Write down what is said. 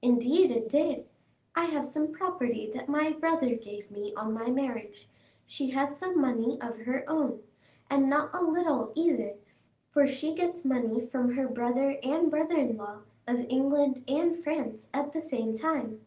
"Indeed it did. I have some property that my brother gave me on my marriage; she has some money of her own, and not a little either, for she gets money from her brother and brother in law of England and France at the same time.